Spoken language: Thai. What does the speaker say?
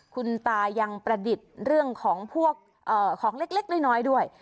คุณตายังประดิษฐ์เรื่องของพวกของเล็กน้อยด้วย